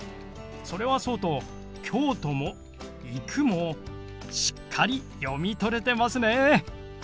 それはそうと「京都」も「行く」もしっかり読み取れてますね。